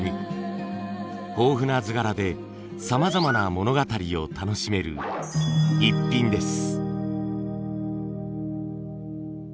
豊富な図柄でさまざまな物語を楽しめるイッピンです。